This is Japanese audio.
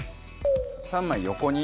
３枚横に？